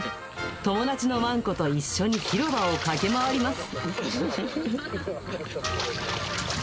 友達のワンコと一緒に広場を駆け回ります。